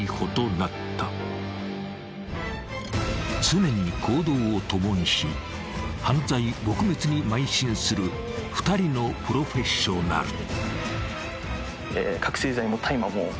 ［常に行動を共にし犯罪撲滅にまい進する２人のプロフェッショナル］